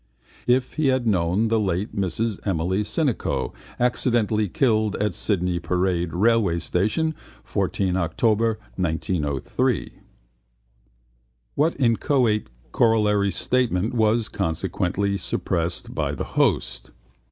If he had known the late Mrs Emily Sinico, accidentally killed at Sydney Parade railway station, 14 October 1903. What inchoate corollary statement was consequently suppressed by the host?